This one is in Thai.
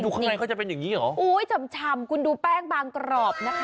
ข้างในเขาจะเป็นอย่างนี้เหรออุ้ยชำคุณดูแป้งบางกรอบนะคะ